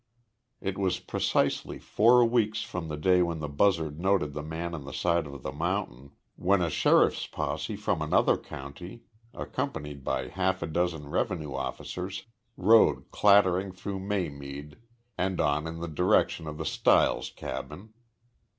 It was precisely four weeks from the day when the buzzard noted the man on the side of the mountain, when a sheriff's posse from another county, accompanied by half a dozen revenue officers, rode clattering through Maymead and on in the direction of the Stiles cabin.